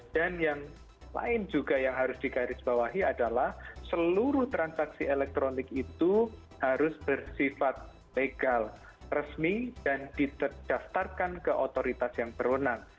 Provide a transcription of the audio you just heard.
dan yang lain juga yang harus digarisbawahi adalah seluruh transaksi elektronik itu harus bersifat legal resmi dan ditaftarkan ke otoritas yang berwenang